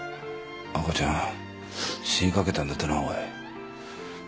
赤ちゃん死にかけたんだってなおい。